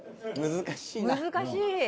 難しい！